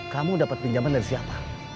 kamu dapat pinjaman dari siapa